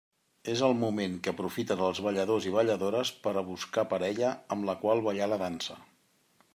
És el moment que aprofiten els balladors i balladores per a buscar parella amb la qual ballar la Dansa.